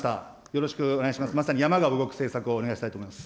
よろしくお願いします。